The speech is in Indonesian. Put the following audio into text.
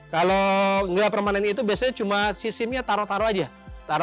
kalau nggak permanen itu biasanya cuma sistemnya taruh taruh aja